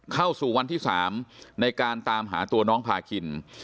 เข้าสู่วันที่๓ในการตามหาตัวน้องพาคิน